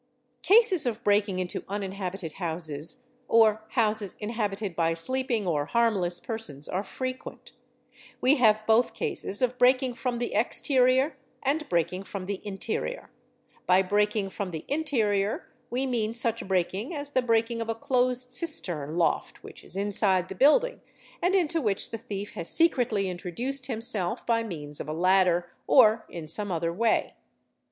Cases of breaking into uninhabited houses or houses inhabited by _ sleeping or harmless persons are frequent ; we have both cases of breaking from the exterior and breaking from the interior; by breaking from the interior we mean such breaking as the breaking of a closed cistern loft _ which is inside the building and into which the thief has secretly intro duced himself by means of a ladder, or in some other way.